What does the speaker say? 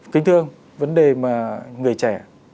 kính thưa ông vấn đề mà người trẻ